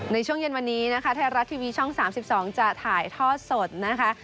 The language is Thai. ในช่วงเย็นวันนี้นะคะไทยรัฐทีวีช่อง๓๒จะถ่ายทอดสดนะคะ